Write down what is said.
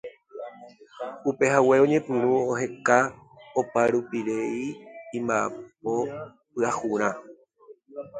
Upehague oñepyrũ oheka oparupirei imba'apo pyahurã.